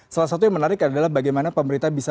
salah satu yang menarik adalah bagaimana pemerintah bisa